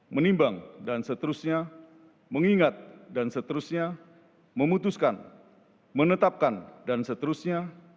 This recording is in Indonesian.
menimbang dan seterusnya mengingat dan seterusnya memutuskan menetapkan dan seterusnya